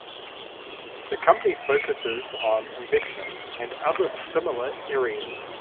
The company focuses on investments and other similar areas.